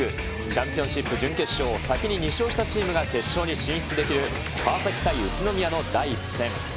チャンピオンシップ準決勝、先に２勝したチームが決勝に進出できる川崎対宇都宮の第１戦。